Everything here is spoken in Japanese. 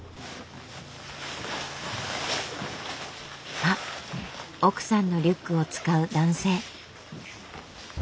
あっ奥さんのリュックを使う男性。